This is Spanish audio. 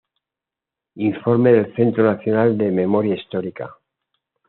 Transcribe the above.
Informe del Centro Nacional de Memoria Histórica.